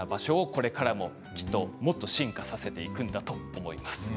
これからももっと進化させていくんだと思います。